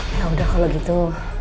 yaudah kalau gitu